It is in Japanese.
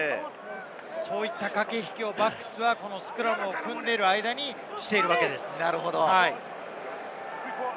そういった駆け引きをバックスはスクラムを組んでいる間にしているわけです。